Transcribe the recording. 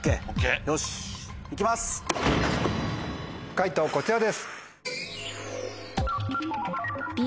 解答こちらです。